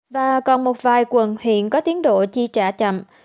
và còn một vài quận huyện có tiến độ chi trả chậm